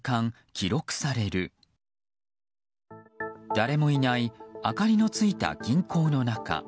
誰もいない明かりのついた銀行の中。